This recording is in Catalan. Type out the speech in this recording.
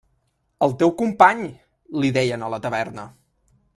El teu company! –li deien a la taverna.